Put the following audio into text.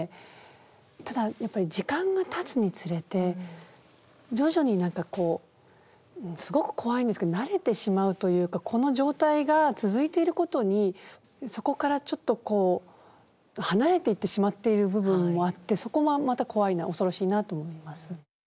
ただやっぱり時間がたつにつれて徐々に何かすごく怖いんですけど慣れてしまうというかこの状態が続いていることにそこからちょっとこう離れていってしまっている部分もあってそこもまた怖いな恐ろしいなと思います。